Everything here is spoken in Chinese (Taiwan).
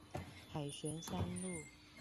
凱旋三路